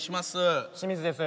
清水です。